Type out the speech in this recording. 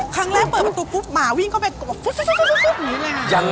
ครั้งแรกเปิดประตูปุ๊บหมาวิ่งเข้าไปปุ๊บอย่างนี้เลยนะ